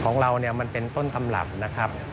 ของเรามันเป็นต้นทำลับนะครับ